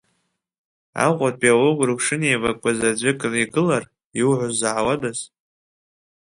Аҟәатәи аокруг шынеибакәыз аӡәкны игылар, иуҳәоз заҳауадаз.